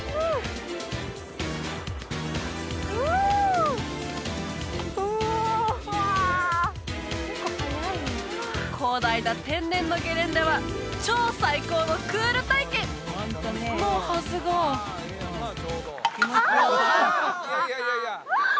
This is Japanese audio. うわ広大な天然のゲレンデは超最高のクール体験のはずがああっ！